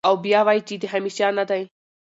او بيا وائې چې د همېشه نۀ دے